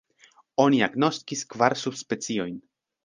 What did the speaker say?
Oni agnoskis kvar subspeciojn.